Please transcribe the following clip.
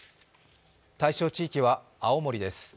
対象地域は青森です。